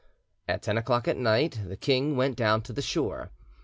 At ten o'clock at, night the king went down to the shore.